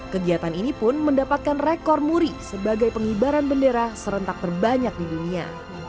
kegiatan ini pun mendapatkan rekor muri sebagai pengibaran bendera serentak terbanyak di dunia